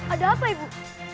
ada apa ibu